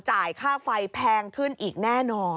จ่ายค่าไฟแพงขึ้นอีกแน่นอน